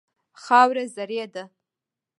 خاوره زرعي ده.